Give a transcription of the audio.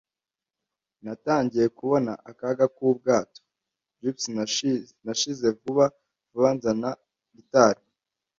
Natangiye kubona akaga ku bwato. Jibs nashize vuba vuba nzana gutitira